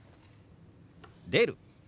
「出る」。